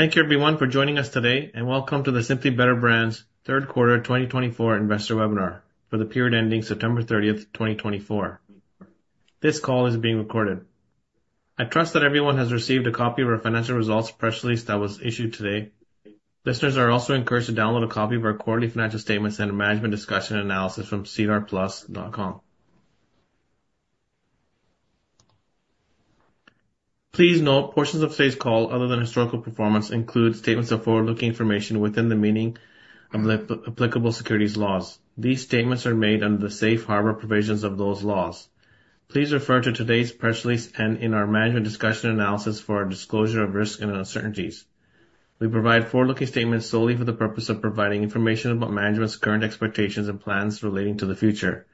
Thank you everyone for joining us today and welcome to the Simply Better Brands third quarter 2024 Investor Webinar for the period ending September 30th, 2024. This call is being recorded. I trust that everyone has received a copy of our financial results press release that was issued today. Listeners are also encouraged to download a copy of our quarterly financial statements and management's discussion and analysis from SEDAR+. Please note, portions of today's call other than historical performance include statements of forward-looking information within the meaning of applicable securities laws. These statements are made under the Safe Harbor provisions of those laws. Please refer to today's press release and in our management's discussion and analysis for disclosure of risks and uncertainties we provide forward-looking statements solely for the purpose of providing information about management's current expectations and plans relating to the future.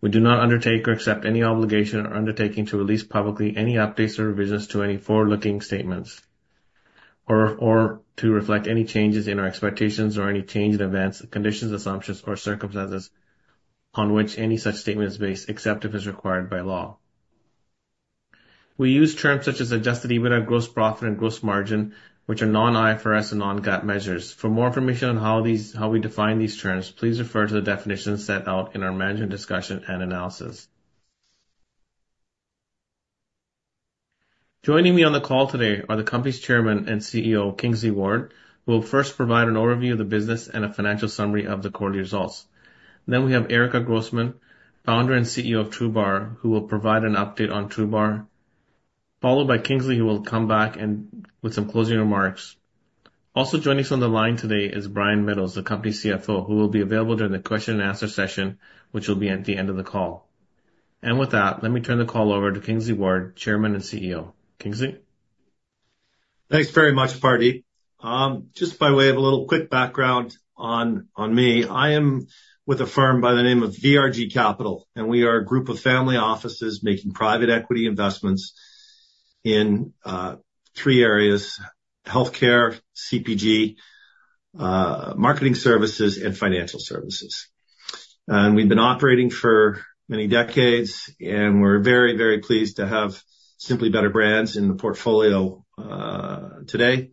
We do not undertake or accept any obligation or undertaking to release publicly any updates or revisions to any forward-looking statements or to reflect any changes in our expectations or any change in events, conditions, assumptions or circumstances on which any such statement is based, except if it is required by law. We use terms such as Adjusted EBITDA, Gross Profit and Gross Margin which are non-IFRS and non-GAAP measures. For more information on how we define these terms, please refer to the definitions set out in our Management Discussion and Analysis. Joining me on the call today are the Company's Chairman and CEO Kingsley Ward, who will first provide an overview of the business and a financial summary of the quarterly results. Then we have Erica Groussman, Founder and CEO of TRUBAR, who will provide an update on TRUBAR, followed by Kingsley who will come back with some closing remarks. Also joining us on the line today is Brian Meadows, the company's CFO, who will be available during the question-and-answer session which will be at the end of the call. And with that let me turn the call over to Kingsley Ward, Chairman and CEO Kingsley. Thanks very much, Pardeep. Just by way of a little quick background on me, I am with a firm by the name of VRG Capital and we are a group of family offices making private equity investments in three areas, health care, CPG, marketing services and financial services. And we've been operating for many decades and we're very very pleased to have Simply Better Brands in the portfolio today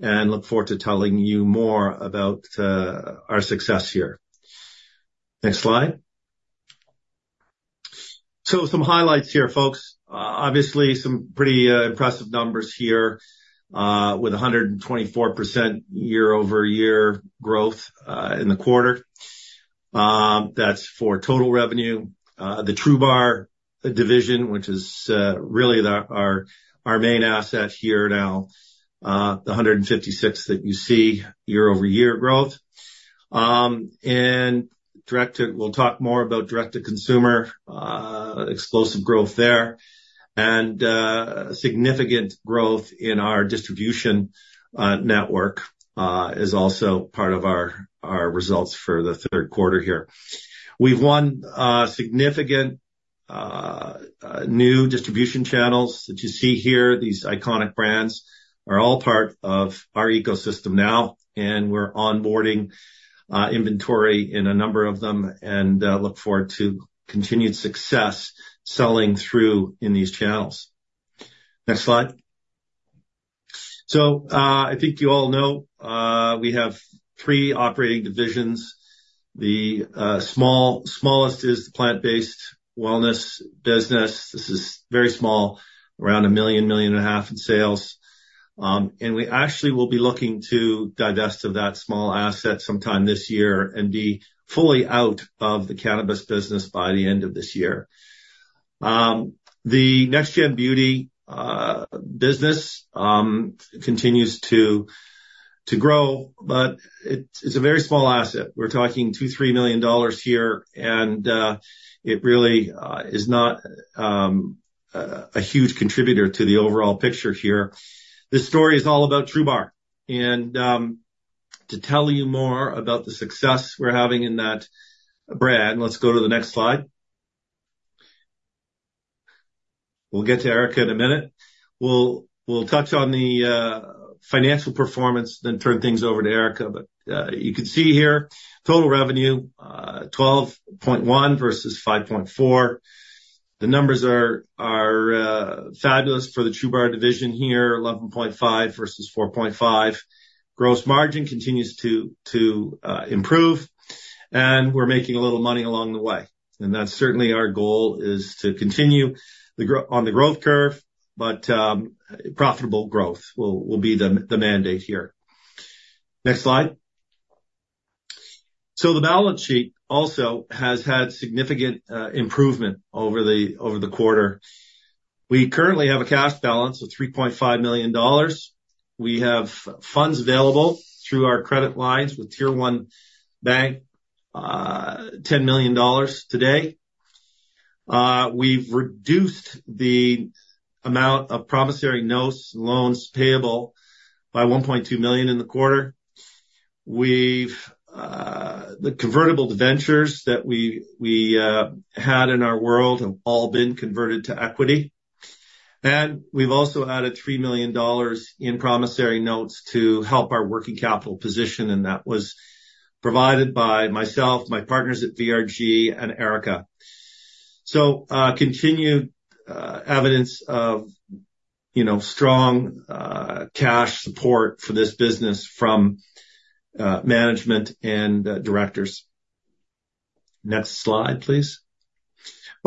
and look forward to telling you more about our success here. Next slide. So some highlights here folks. Obviously some pretty impressive numbers here with 124% year-over-year growth in the quarter. That's for total revenue. The TRUBAR division, which is really our main asset here now, the 156% that you see year-over-year growth and direct to, we'll talk more about direct to consumer, explosive growth there and significant growth in our distribution network is also part of our results for the third quarter here. We've won significant new distribution channels that you see here. These iconic brands are all part of our ecosystem now and we're onboarding inventory in a number of them and look forward to continued success selling through in these channels. Next slide. So I think you all know we have three operating divisions. The smallest is the Plant-Based Wellness business. This is very small, around $1.5 million in sales. And we actually will be looking to divest of that small asset sometime this year and be fully out of the cannabis business by the end of this year. The Next Gen Beauty business continues to grow, but it's a very small asset. We're talking $2 million-$3 million here and it really is not a huge contributor to the overall picture here. This story is all about TRUBAR and to tell you more about the success we're having in that brand, let's go to the next slide. We'll get to Erica in a minute. We'll touch on the financial performance then turn things over to Erica. But you can see here total revenue $12.1 versus $5.4. The numbers are fabulous for the TRUBAR division here. $11.5 versus $4.5. Gross margin continues to improve and we're making a little money along the way, and that's certainly our goal is to continue on the growth curve, but profitable growth will be the mandate here. Next slide, so the balance sheet also has had significant improvement over the quarter. We currently have a cash balance of $3.5 million. We have funds available through our credit lines with tier one bank. $10 million today. We've reduced the amount of promissory notes, loans payable by $1.2 million in the quarter. The convertible debentures that we had in our world have all been converted to equity. We've also added $3 million in promissory notes to help our working capital position. That was provided by myself, my partners at VRG and Erica. So continued evidence of, you know, strong cash support for this business from management and directors. Next slide please.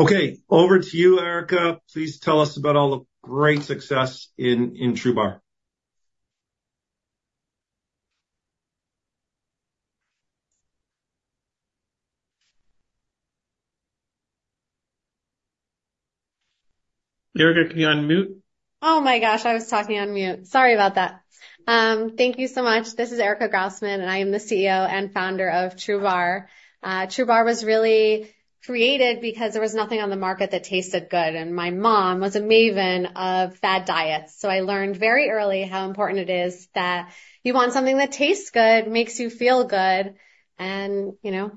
Okay, over to you, Erica. Please tell us about all the great success in TRUBAR. Erica, can you unmute? Oh my gosh, I was talking on mute. Sorry about that. Thank you so much. This is Erica Groussman and I am the CEO and Founder of TRUBAR. TRUBAR was really created because there was nothing on the market that tasted good. My mom was a maven of fad diets. So I learned very early how important it is that you want something that tastes good, makes you feel good and you know,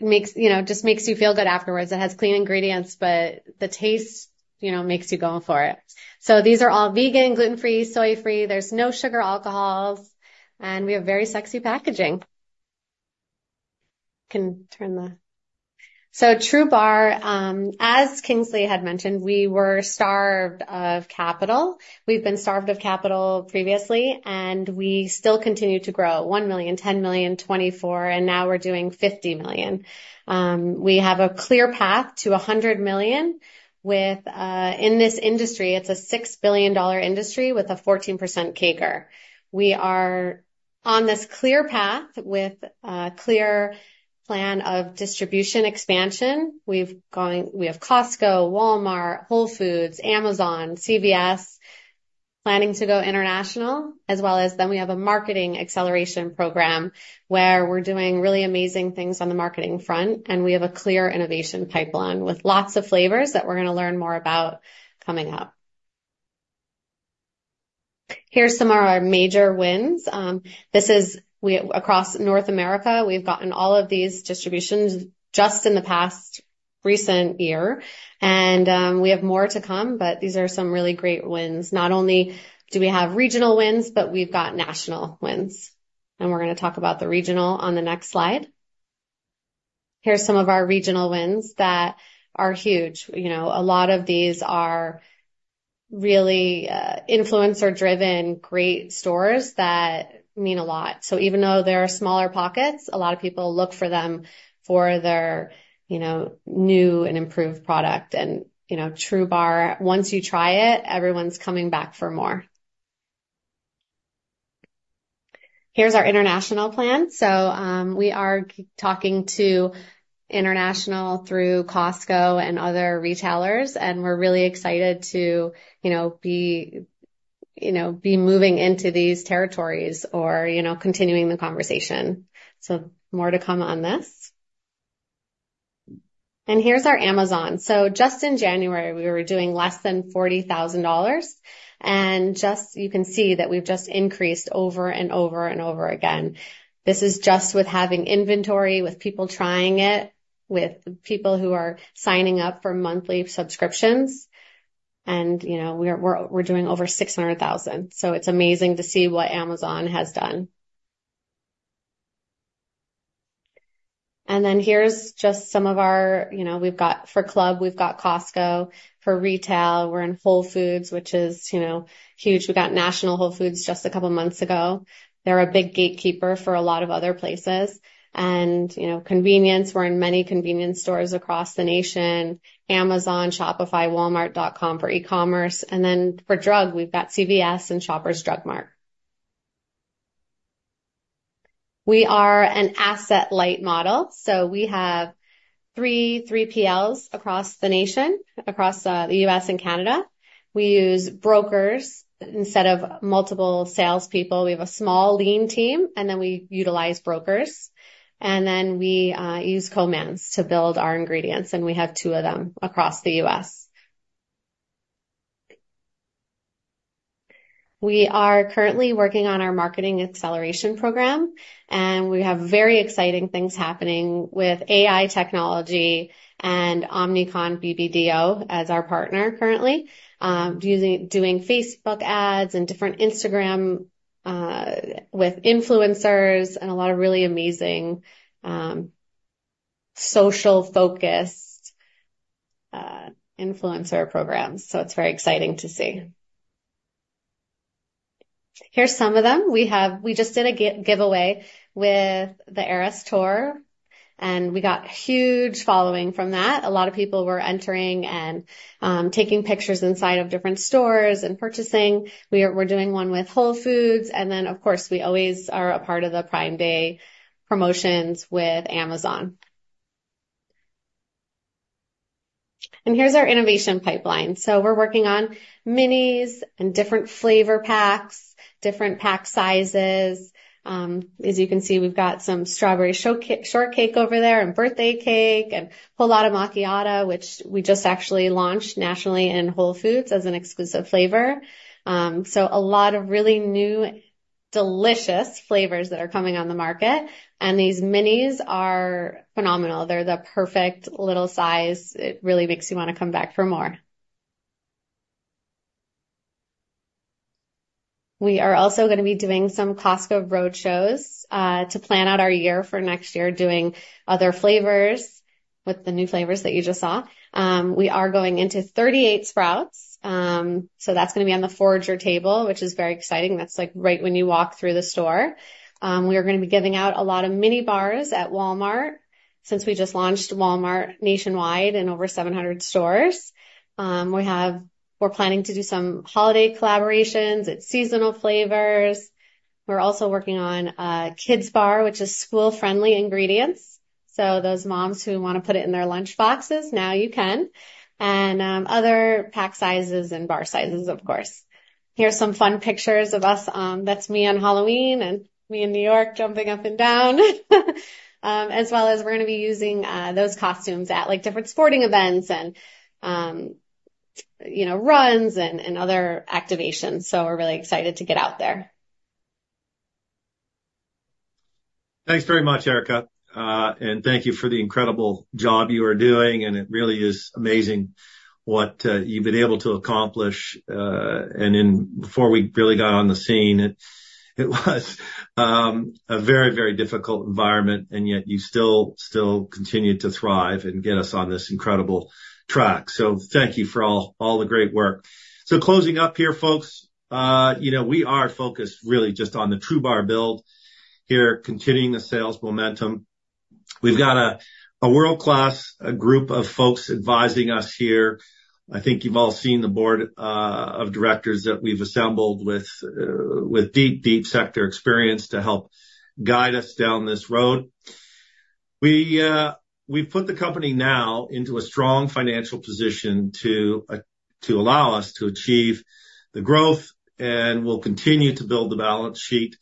makes, you know, just makes you feel good afterwards. It has clean ingredients but the taste, you know, makes you going for it. So these are all vegan, gluten free, soy free, there's no sugar alcohols and we have very sexy packaging can turn to the TRUBAR. As Kingsley had mentioned, we were starved of capital. We've been starved of capital previously and we still continue to grow. 1 million, 10 million in 2024 and now we're doing 50 million. We have a clear path to 100 million within this industry. It's a $6 billion industry with a 14% CAGR. We are on this clear path with a clear plan of distribution expansion. We're going, we have Costco, Walmart, Whole Foods, Amazon, CVS planning to go international as well as then we have a marketing acceleration program where we're doing really amazing things on the marketing front and we have a clear innovation pipeline with lots of flavors that we're going to learn more about. Coming up, here's some of our major wins. This is across North America we've gotten all of these distributions just in the past recent year and we have more to come but these are some really great wins. Not only do we have regional wins but we've got national wins and we're going to talk about the regional on the next slide. Here's some of our regional wins that are huge. You know, a lot of these are really influencer driven great stores that mean a lot. So even though there are smaller pockets, a lot of people look for them for their, you know, new and improved product and you know, TRUBAR once you try it, everyone's coming back for more. Here's our international plan. So we are talking to international through Costco and other retailers and we're really excited to you know, be moving into these territories or you know, continuing the conversation. So more to come on this. Here's our Amazon. So just in January we were doing less than $40,000 and just you can see that we've just increased over and over and over again. This is just with having inventory with people trying it with people who are signing up for monthly subscriptions and you know, we're doing over $600,000. So it's amazing to see what Amazon has done and then here's just some of our, you know we've got for club, we've got Costco. For retail we're in Whole Foods which is, you know, huge. We got national Whole Foods just a couple months ago. A big gatekeeper for a lot of other places. And you know, convenience, we're in many convenience stores across the nation. Amazon, Shopify, Walmart.com for e-commerce and then for drug we've got CVS and Shoppers Drug Mart. We are an asset-light model. We have three 3PLs across the nation, across the U.S. and Canada. We use brokers instead of multiple salespeople. We have a small lean team and then we utilize brokers and then we use co-mans to build our ingredients and we have two of them across the U.S. We are currently working on our marketing acceleration program and we have very exciting things happening with AI technology and Omnicom BBDO as our partner. Currently using, doing Facebook ads and different Instagram with influencers and a lot of really amazing social focused influencer programs. So it's very exciting to see. Here's some of them we have. We just did a giveaway with the Eras Tour and we got huge following from that. A lot of people were entering and taking pictures inside of different stores and purchasing. We are doing one with Whole Foods and then of course we always are a part of the Prime Day promotions with Amazon and here's our innovation pipeline, so we're working on minis and different flavor packs, different pack sizes. As you can see, we've got some Strawberry Shortcake over there and Birthday Cake and Caramel Macchiato which we just actually launched nationally in Whole Foods as an exclusive flavor, so a lot of really new delicious flavors that are coming on the market, and these minis are phenomenal. They're the perfect little size. It really makes you want to come back for more. We are also going to be doing some Costco roadshows to plan out our year for next year, doing other flavors with the new flavors that you just saw. We are going into 38 Sprouts so that's going to be on the Forager Table which is very exciting. That's like right when you walk through the store. We are going to be giving out a lot of mini bars at Walmart since we just launched Walmart nationwide and over 700 stores. We're planning to do some holiday collaborations. It's seasonal flavors. We're also working on a kids bar which is school-friendly ingredients. So those moms who want to put it in their lunch boxes now you can, and other pack sizes and bar sizes, of course. Here's some fun pictures of us. That's me on Halloween and me in New York jumping up and down as well as we're going to be using those costumes at like different sporting events and you know, runs and other activations. So we're really excited to get out there. Thanks very much, Erica, and thank you for the incredible job you are doing, and it really is amazing what you've been able to accomplish. And before we really got on the scene, it was a very, very difficult environment, and yet you still continue to thrive and get us on this incredible track. So thank you for all the great work. So closing up here, folks, you know, we are focused really just on the TRUBAR build here, continuing the sales momentum. We've got a world class group of folks advising us here. I think you've all seen the board of directors that we've assembled with deep, deep sector experience to help guide us down this road. We've put the company now into a strong financial position to allow us to achieve the growth, and we'll continue to build the balance sheet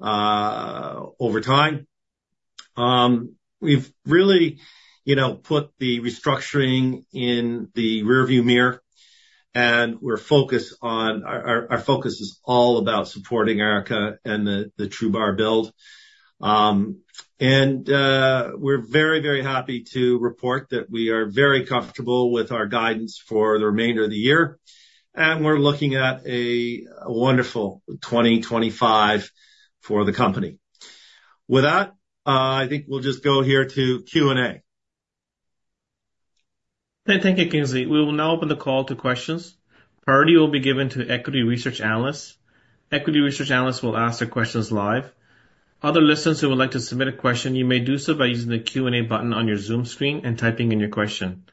over time. We've really, you know, put the restructuring in the rear view mirror and we're focused on our focus is all about supporting Erica and the TRUBAR build, and we're very, very happy to report that we are very comfortable with our guidance for the remainder of the year and we're looking at a wonderful 2025 for the company. With that, I think we'll just go here to Q&A. Thank you, Kingsley. We will now open the call to questions. Priority will be given to equity research analysts. Equity research analysts will ask their questions live. Other listeners who would like to submit a question, you may do so by using the Q&A button on your Zoom screen and typing in your question.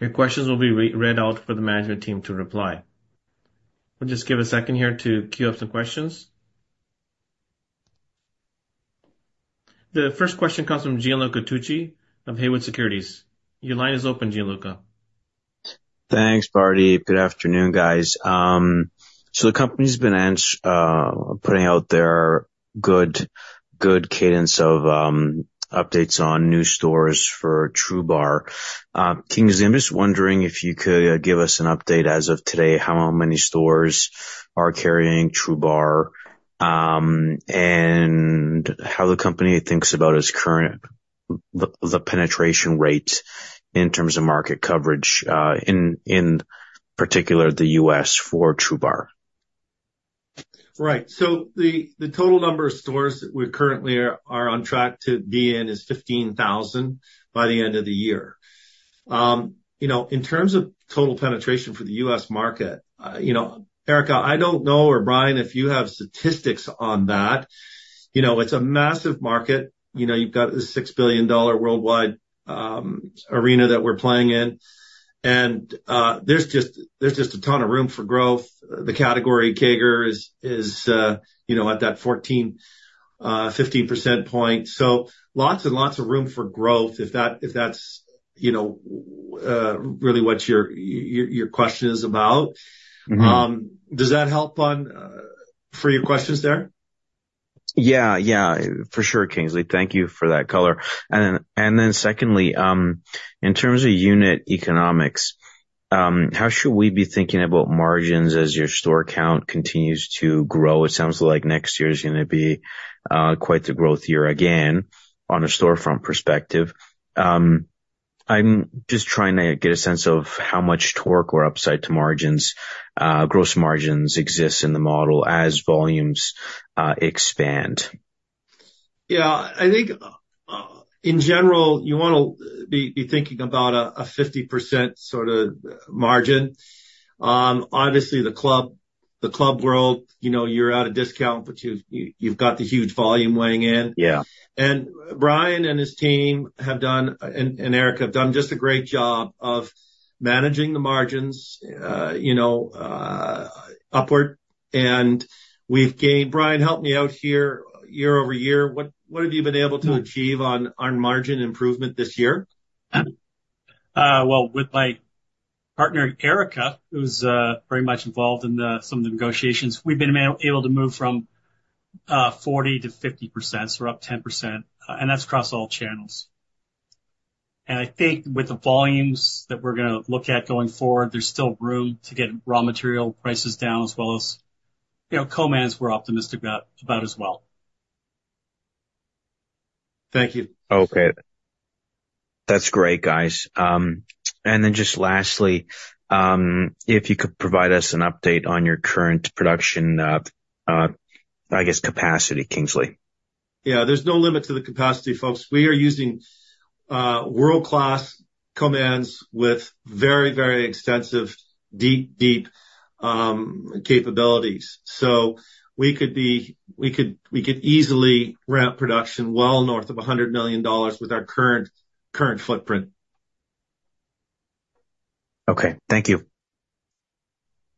Your questions will be read out for the management team to reply. Just give a second here to queue up some questions. The first question comes from Gianluca Tucci of Haywood Securities. Your line is open, Gianluca. Thanks, Pardeep. Good afternoon, guys. So the company's been putting out their good cadence of updates on new stores for TRUBAR. Kingsley, I'm just wondering if you could give us an update. As of today, how many stores are carrying TRUBAR and how the company thinks about its current penetration rate in terms of market coverage in particular the U.S. for TRUBAR. Right.The total number of stores that we currently are on track to be in is 15,000 by the end of the year. You know, in terms of total penetration for the U.S. market, you know, Erica, I don't know, or Brian, if you have statistics on that, you know, it's a massive market. You know, you've got the $6 billion worldwide arena that we're playing in and there's just a ton of room for growth. The category's CAGR is, you know, at that 14%, 15% point. So lots and lots of room for growth. If that's, you know, really what your question is about. Does that help on, for your questions there? Yeah, yeah, for sure. Kingsley, thank you for that color. And then secondly, in terms of unit economics, how should we be thinking about margins as your store count continues to grow? It sounds like next year is going to be quite the growth year again on a storefront perspective. I'm just trying to get a sense of how much torque or upside to margins, gross margins exist in the model as volumes expand? Yeah, I think in general you want to be thinking about a 50% sort of margin. Obviously the club world, you know, you're at a discount but you've got the huge volume weighing in. And Brian and his team have done, John and Eric have done just a great job of managing the margins, you know, upward and we've gained. Brian helped me out here year-over-year. What, what have you been able to achieve on, on margin improvement this year? With my partner Erica, who's very much involved in some of the negotiations, we've been able to move from 40%-50%. So we're up 10% and that's across all channels. I think with the volumes that we're going to look at going forward, there's still room to get raw material prices down as well as, you know, co-mans we're optimistic about as well. Thank you. Okay, that's great, guys. And then just lastly, if you could provide us an update on your current production, I guess, capacity, Kingsley? Yeah, there's no limit to the capacity, folks. We are using world-class co-mans with very, very extensive, deep, deep capabilities. So we could easily ramp production well north of $100 million with our current footprint. Okay, thank you.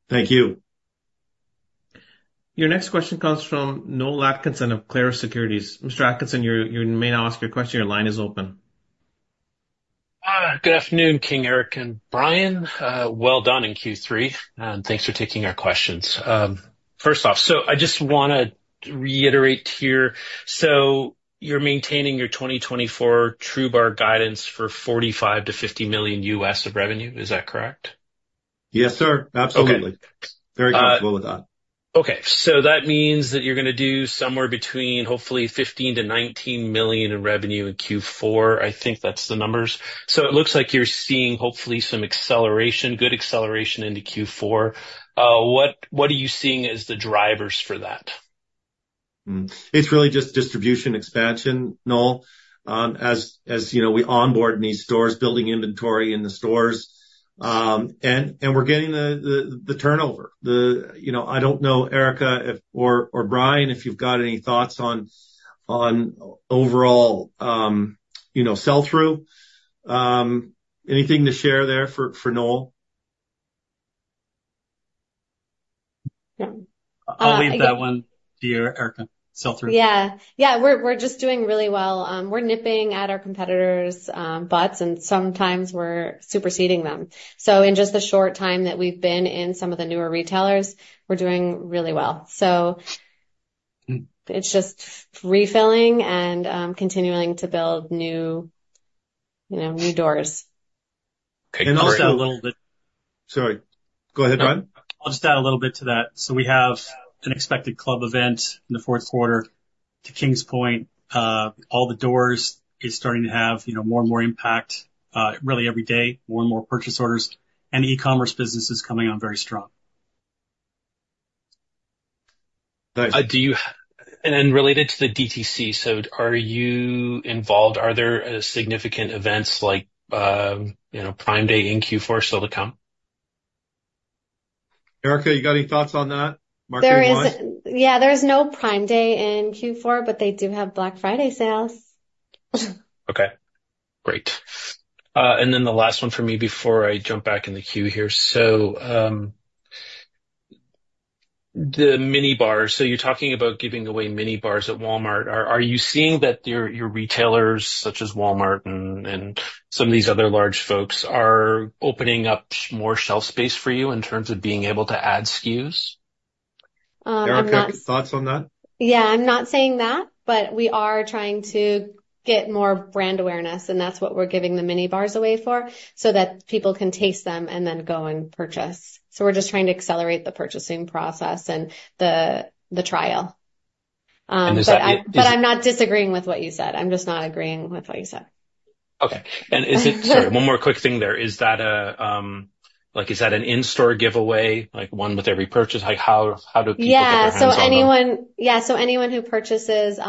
Thank you. Your next question comes from Noel Atkinson of Clarus Securities. Mr. Atkinson, you may now ask your question. Your line is open. Good afternoon, Kingsley, Erica and Brian, well done in Q3. Thanks for taking our questions first off. So I just want to reiterate here. So you're maintaining your 2024 TRUBAR guidance for $45 million-$50 million of revenue, is that correct? Yes sir, absolutely. Very comfortable with that. Okay, so that means that you're going to do somewhere between hopefully $15 million-$19 million in revenue in Q4. I think that's the numbers. So it looks like you're seeing hopefully some acceleration, good acceleration into Q4. What are you seeing as the drivers for that? It's really just distribution expansion. Noel, as we onboard these stores, building inventory in the stores and we're getting the turnover. I don't know Erica or Brian, if you've got any thoughts on overall sell-through, anything to share there for Noel? I'll leave that one to you, Erica. Sell through. Yeah, we're just doing really well. We're nipping at our competitors' butts and sometimes we're superseding them. So in just the short time that we've been in some of the newer retailers we're doing really well. So it's just refilling and continuing to build new, you know, new doors. Okay. And also a little bit. Sorry, go ahead. I'll just add a little bit to that. So we have an expected club event in the fourth quarter at Costco. All the doors is starting to have, you know, more and more impact really every day more and more purchase orders and e-commerce business is coming on very strong. Do you? And then related to the DTC. So are you involved? Are there significant events like, you know, Prime Day in Q4 still to come? Erica, you got any thoughts on that? There is, yeah. There is no Prime Day in Q4 but they do have Black Friday sales. Okay, great. Then the last one for me before I jump back in the queue here. The mini bar. You're talking about giving away mini bars at Walmart. Are you seeing that your retailers such as Walmart and some of these other large folks are opening up more shelf space for you in terms of being able to add SKUs? Thoughts on that? Yeah, I'm not saying that, but we are trying to get more brand awareness and that's what we're giving the mini bars away for so that people can taste them and then go and purchase. We're just trying to accelerate the purchasing process and the trial, but I'm not disagreeing with what you said, I'm just not agreeing with what you said. Okay, and is it? Sorry, one more quick thing there. Is that a, like, is that an in-store giveaway? Like one with every purchase? Like how do people? Yeah, so anyone who purchases.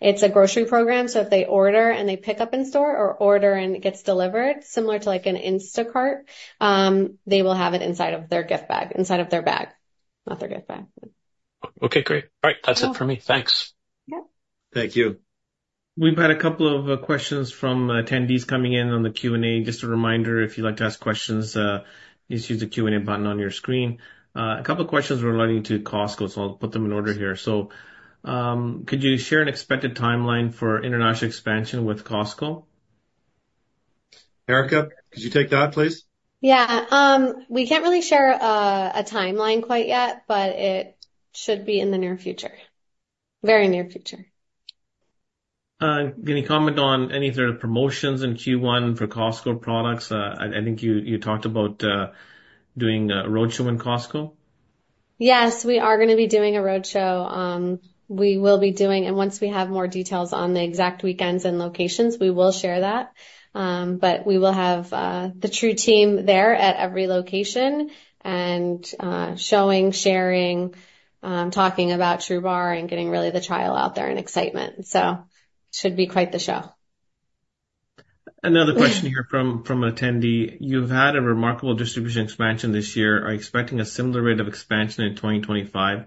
It's a grocery program. So if they order and they pick up in store or order and it gets delivered similar to like an Instacart, they will have it inside of their gift bag. Inside of their bag, not their gift bag. Okay, great. All right, that's it for me. Thanks. Thank you. We've had a couple of questions from attendees coming in on the Q&A. Just a reminder if you'd like to ask questions, you see the Q&A button on your screen. A couple of questions relating to Costco. So I'll put them in order here. So could you share an expected timeline for international expansion with Costco? Erica, could you take that, please? Yeah, we can't really share a timeline quite yet, but it should be in the near future, very near future. Can you comment on any sort of promotions in Q1 for Costco products? I think you talked about doing roadshow in Costco. Yes, we are going to be doing a Roadshow. We will be doing, and once we have more details on the exact weekends and locations, we will share that. But we will have the TRU team there at every location and showing, sharing, talking about TRUBAR and getting really the trial out there and excitement. So should be quite the show. Another question here from an attendee. You've had a remarkable distribution expansion this year. Are you expecting a similar rate of expansion in 2024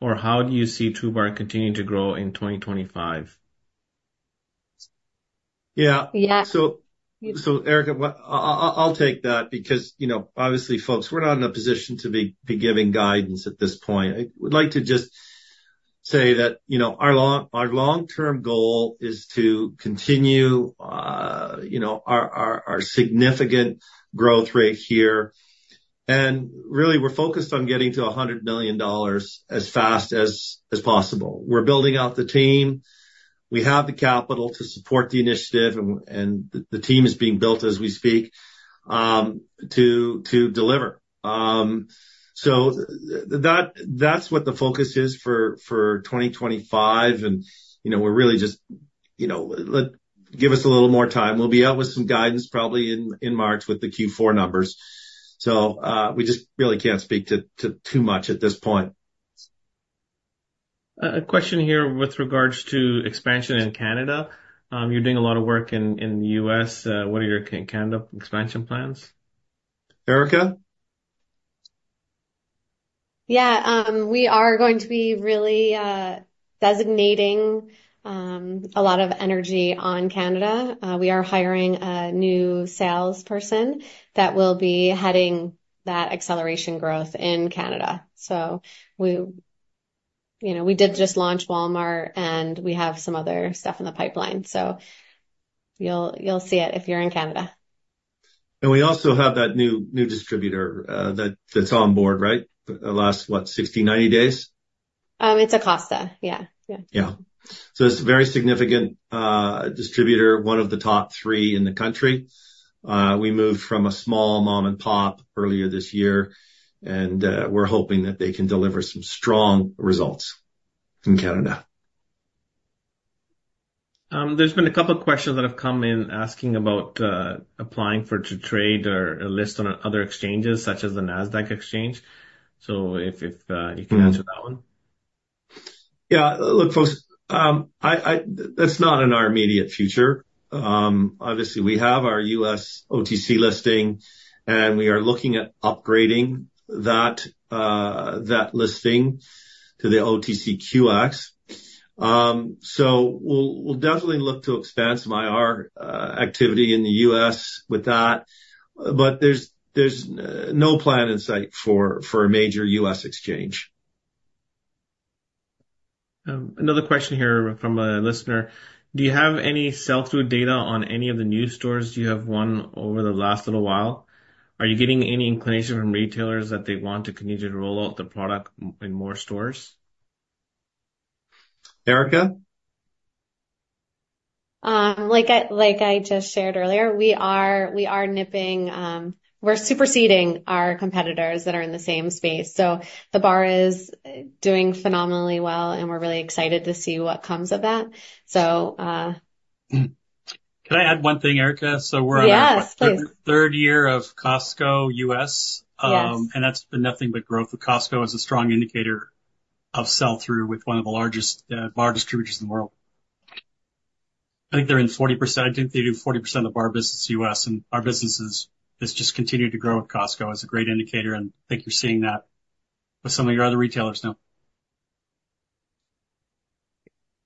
or how do you see TRUBAR continuing to grow in 2025? Yeah, yeah, so. So Erica, I'll take that because, you know, obviously folks, we're not in a position to be giving guidance at this point. I would like to just say that, you know, our long-term goal is to continue, you know, our significant growth rate here and really we're focused on getting to $100 million as fast as possible. We're building out the team. We have the capital to support the initiative and the team is being built as we speak to deliver. So that's what the focus is for 2025. And we're really just give us a little more time. We'll be out with some guidance probably in March with the Q4 numbers. So we just really can't speak to too much at this point. A question here with regards to expansion in Canada. You're doing a lot of work in the U.S. What are your Canada expansion plans? Erica? Yeah, we are going to be really designating a lot of energy on Canada. We are hiring a new salesperson that will be heading that acceleration growth in Canada. So we, you know, we did just launch Walmart and we have some other stuff in the pipeline. So you'll, you'll see it if you're in Canada. We also have that new distributor that's on board, right? Last what, 60, 90 days? It's Acosta. Yeah, yeah, yeah. So it's a very significant distributor, one of the top three in the country. We moved from a small mom and pop earlier this year and we're hoping that they can deliver some strong results in Canada. There's been a couple of questions that have come in asking about applying to trade or list on other exchanges such as the NASDAQ exchange. So if you can answer that one. Yeah, look folks, that's not in our immediate future. Obviously we have our U.S. OTC listing and we are looking at upgrading that listing to the OTCQX. So we'll definitely look to expand some IR activity in the U.S. with that. But there's no plan in sight for a major U.S. Exchange. Another question here from a listener. Do you have any sell through data on any of the new stores you have won over the last little while? Are you getting any inclination from retailers that they want to continue to roll out the product in more stores? Erica. Like I just shared earlier, we are nipping, we're superseding our competitors that are in the same space. So the bar is doing phenomenally well and we're really excited to see what comes of that. So. Can I add one thing, Erica? So we're on the third year of Costco US and that's been nothing but growth with Costco, is a strong indicator of sell through with one of the largest bar distributors in the world. I think they're in 40%. I think they do 40% of our business. Us and our businesses has just continued to grow with Costco, is a great indicator and think you're seeing that with some of your other retailers now.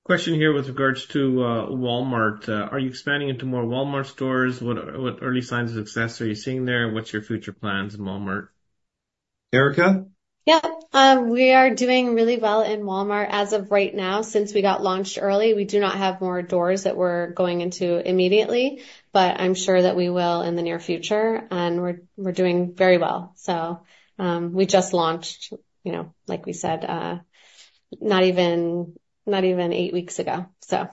Question here with regards to Walmart, are you expanding into more Walmart stores? What early signs of success are you seeing there? What's your future plans in Walmart, Erica? Yeah, we are doing really well in Walmart as of right now since we got launched early. We do not have more doors that we're going into immediately, but I'm sure that we will in the near future and we're doing very well. So we just launched, you know, like we said, not even eight weeks ago. So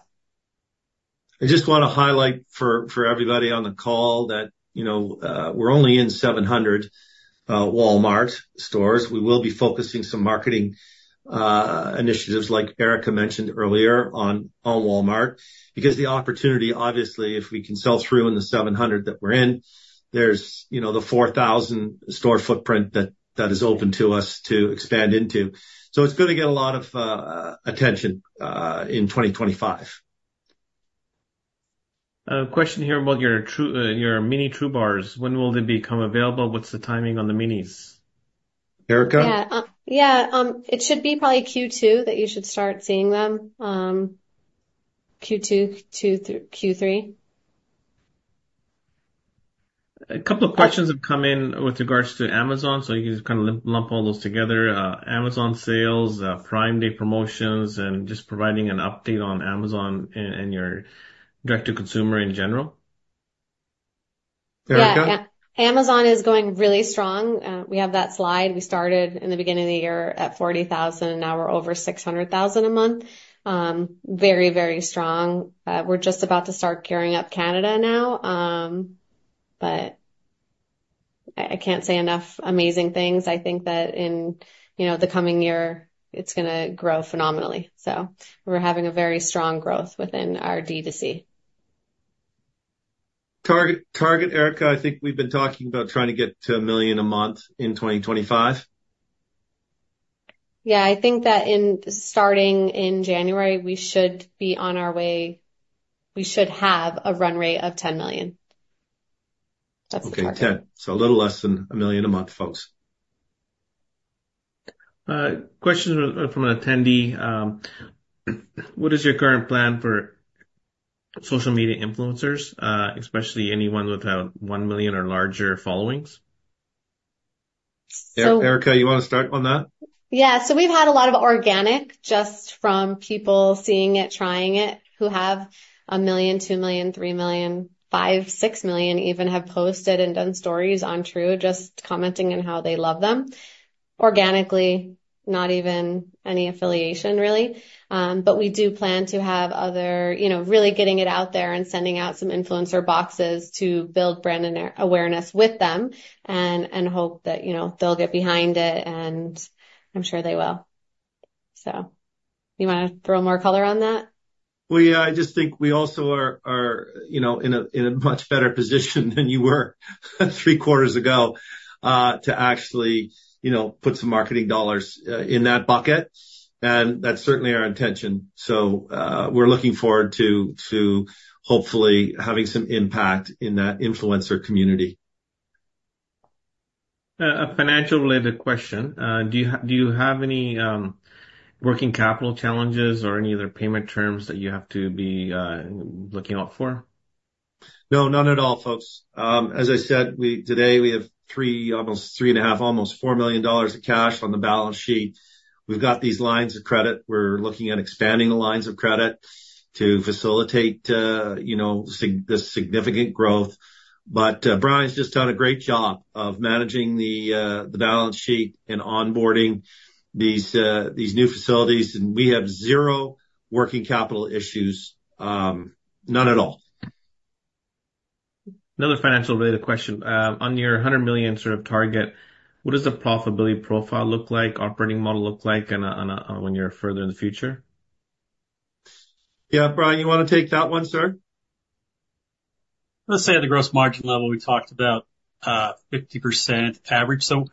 I just want to highlight for everybody on the call that, you know, we're only in 700 Walmart stores. We will be focusing some marketing initiatives like Erica mentioned earlier on Walmart because the opportunity obviously if we can sell through in the 700 that we're in, there's you know, the 4,000 store footprint that is open to us to expand into. So it's going to get a lot of attention in 2025. Question here about your TRU, your Mini TRU bars. When will they become available? What's the timing on the Minis, Erica? Yeah, yeah, it should be probably Q2 that you should start seeing them. Q2 to Q3. A couple of questions have come in with regards to Amazon so you can just kind of lump all those together. Amazon sales, Prime Day promotions and just providing an update on Amazon and your direct to consumer in general. Erica, Amazon is going really strong. We have that slide. We started in the beginning of the year at 40,000 and now we're over 600,000 a month. Very, very strong. We're just about to start gearing up Canada now. But I can't say enough amazing things. I think that in, you know, the coming year it's going to grow phenomenally. So we're having a very strong growth within our D2C. Target. Erica, I think we've been talking about trying to get to $1 million a month in 2025. Yeah, I think that in starting in January we should be on our way. We should have a run rate of 10 million. Okay, so a little less than $1 million a month, folks. Question from an attendee. What is your current plan for social media influencers, especially anyone without one million or larger followings? Erica, you want to start on that? Yeah, so we've had a lot of organic just from people seeing it, trying it who have a million, two million, three million, five, six million even have posted and done stories on Tru just commenting and how they love them organically. Not even any affiliation really, but we do plan to have other, you know, really getting it out there and sending out some influencer boxes to build brand awareness with them and hope that, you know, they'll get behind it and I'm sure they will. So you want to throw more color on that? Yeah, I just think we also are, you know, in a much better position than you were three quarters ago to actually, you know, put some marketing dollars in that bucket. That's certainly our intention. We're looking forward to hopefully having some impact in that influencer community. A financial-related question, do you have any working capital challenges or any other payment terms that you have to be looking out for? No, none at all folks. As I said, today we have three, almost three and a half, almost $4 million of cash on the balance sheet. We've got these lines of credit. We're looking at expanding the lines of credit to facilitate, you know, the significant growth, but Brian's just done a great job of managing the balance sheet and onboarding these new facilities and we have zero working capital issues. None at all. Another financial related question on your $100 million sort of target. What does the profitability profile look like, operating model look like when you're further in the future? Yeah, Brian, you want to take that one, sir? Let's say at the gross margin level we talked about 50% average. So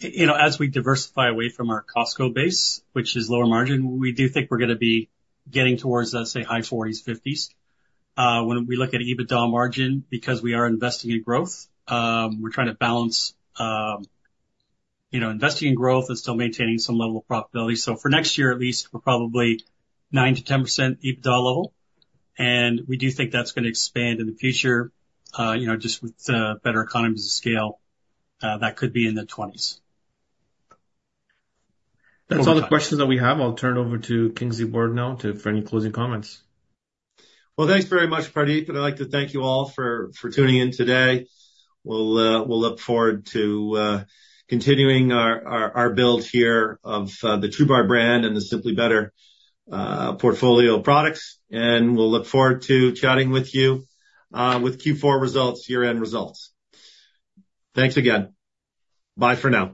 you know, as we diversify away from our Costco base, which is lower margin, we do think we're going to be getting towards let's say high 40s-50s when we look at EBITDA margin. Because we are investing in growth, we're trying to balance, you know, investing in growth and still maintaining some level of profitability. So for next year at least we're probably 9%-10% EBITDA level and we do think that's going to expand in the future, you know, just with better economies of scale. That could be in the 20s. That's all the questions that we have. I'll turn it over to Kingsley Ward now for any closing comments. Thanks very much, Pardeep, and I'd like to thank you all for tuning in today. We'll look forward to continuing our build here of the TRUBAR brand and the Simply Better portfolio of products. We'll look forward to chatting with you with Q4 results and year-end results. Thanks again. Bye for now.